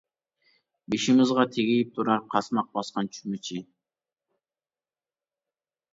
بېشىمىزغا تېگىپ تۇرار، قاسماق باسقان چۆمۈچى.